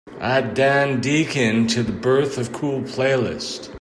Add dan deacon to the birth of cool playlist